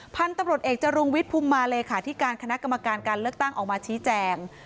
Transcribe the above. พันธุ์ตำรวจเอกจรุงวิทย์ภูมิมาเลขาธิการคณะกรรมการการเลือกตั้งออกมาชี้แจง